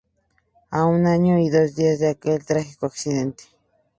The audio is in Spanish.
A un año y dos días de aquel trágico accidente.